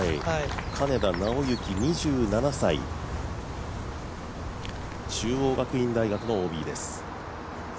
金田直之２７歳中央学院大学のＯＢです。